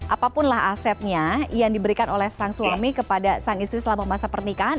apapunlah asetnya yang diberikan oleh sang suami kepada sang istri selama masa pernikahan